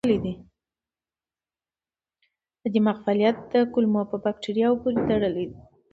د دماغ فعالیت د کولمو بکتریاوو پورې تړلی دی.